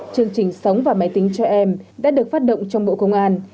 chương trình sống và máy tính cho em đã được phát động trong bộ công an